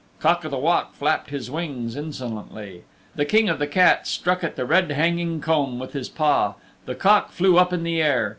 Cock o' the Walk flapped his wings insolently. The King of the Cats struck at the red hanging comb with his paw. The Cock flew up in the air.